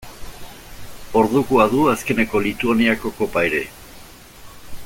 Ordukoa du azkenengo Lituaniako Kopa ere.